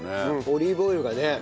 オリーブオイルがね。